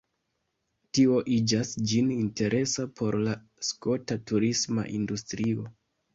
Tio igas ĝin interesa por la skota turisma industrio.